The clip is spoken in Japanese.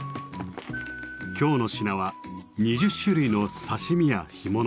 今日の品は２０種類の刺身や干物。